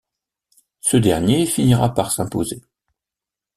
Ce dernier finira par s'imposer.